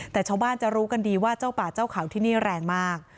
แต่ชาวบ้านจะรู้กันดีว่าเจ้าป่าเจ้าเขาที่นี่แรงมาก